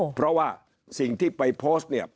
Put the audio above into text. เพราะว่าสิ่งที่ไปโพสต์เนี่ย